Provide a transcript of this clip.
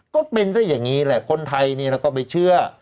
ก็เป็นซะอย่างนี้แหละคนไทยนี่เราก็ไปเชื่อ